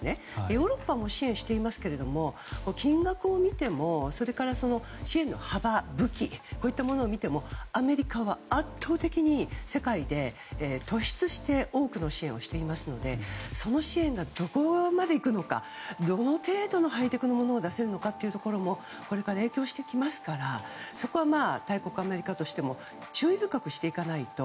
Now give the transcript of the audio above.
ヨーロッパも支援していますけれども金額を見ても支援の幅、武器こういったものを見てもアメリカは圧倒的に世界で突出して多くの支援をしていますのでその支援が、どこまでいくのかどの程度のハイテクなものを出せるのかというものもこれから影響してきますからそこは大国アメリカとしても注意深くしていかないと。